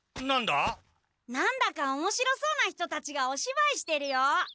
なんだかおもしろそうな人たちがおしばいしてるよ。